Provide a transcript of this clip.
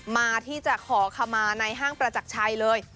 มาที่จะขอขมาในห้างประจักรชัยเลย